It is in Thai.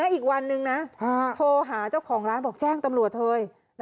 อีกวันนึงนะโทรหาเจ้าของร้านบอกแจ้งตำรวจเถอะ